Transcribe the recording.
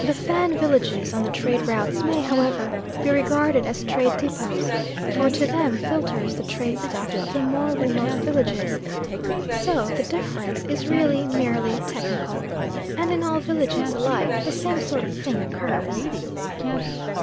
The Fan villages on the trade routes may, however, be regarded as trade depots, for to them filters the trade stuff of the more remote villages, so the difference is really merely technical, and in all villages alike the same sort of thing occurs.